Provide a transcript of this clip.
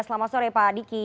selamat sore pak diki